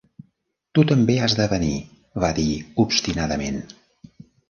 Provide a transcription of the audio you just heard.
"Tu també has de venir", va dir obstinadament.